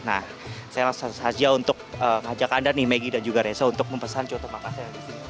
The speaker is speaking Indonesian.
nah saya langsung saja untuk ngajak anda nih maggie dan juga reza untuk mempesan contoh makan saya di sini